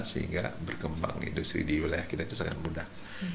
sehingga berkembang industri di wilayah kita itu sangat mudah